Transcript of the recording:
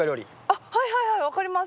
あっはいはいはい分かります。